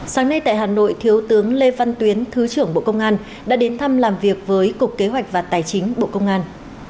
sáng nay tại hà nội thiếu tướng lê văn tuyến thứ trưởng bộ công an đã đến thăm làm việc với cục kế hoạch và tài chính bộ công an